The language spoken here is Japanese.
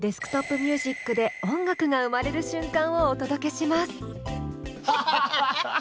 ＤｅｓｋＴｏｐＭｕｓｉｃで音楽が生まれる瞬間をお届けします。